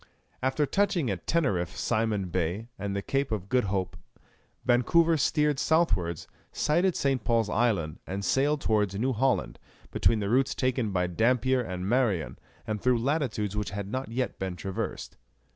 After touching at Teneriffe, Simon Bay, and the Cape of Good Hope, Vancouver steered south wards, sighted St. Paul's Island, and sailed towards New Holland, between the routes taken by Dampier and Marion, and through latitudes which had not yet been traversed.